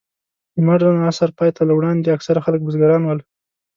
د مډرن عصر پای ته له وړاندې، اکثره خلک بزګران ول.